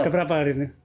keberapa hari ini